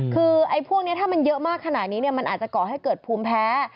คือไอ้พวกนี้ถ้ามันเยอะมากขนาดนี้มันอาจจะก่อให้เกิดภูมิแพ้